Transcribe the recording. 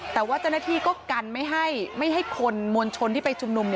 แต่ว่าเจ้าหน้าที่ก็กันไม่ให้คนมวลชนที่ไปชุมนุม